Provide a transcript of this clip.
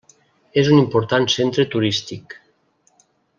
És un important centre turístic.